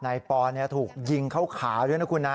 นายปอนเนี่ยถูกยิงเข้าขาด้วยนะคุณนะ